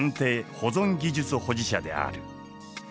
保存技術保持者である。